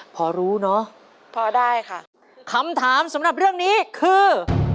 พอรู้เนอะพอได้ค่ะคำถามสำหรับเรื่องนี้คือ